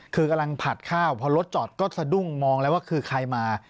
คือกำลังผัดข้าวพอรถจอดก็สะดุ้งมองแล้วว่าคือใครมา